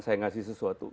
saya ngasih sesuatu